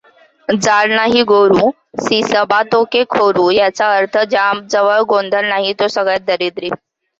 जार नाई गोरु सि सबातोके खोरु याचा अर्थ ज्याच्याजवळ गोधन नाही तो सगळ्यात दरिद्री.